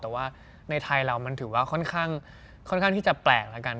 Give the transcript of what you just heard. แต่ว่าในไทยเรามันถือว่าค่อนข้างที่จะแปลกแล้วกัน